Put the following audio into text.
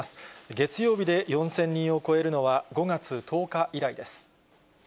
月曜日で４０００人を超えるのは５月１０日以来です。